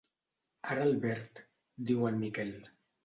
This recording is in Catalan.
Ara el verd —diu el Miquel.